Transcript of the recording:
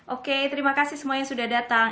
oke terima kasih semua yang sudah datang